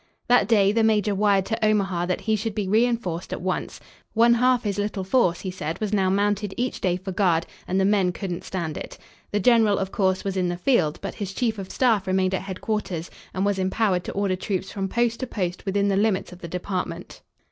That day the major wired to Omaha that he should be reinforced at once. One half his little force, he said, was now mounted each day for guard, and the men couldn't stand it. The general, of course, was in the field, but his chief of staff remained at headquarters and was empowered to order troops from post to post within the limits of the department.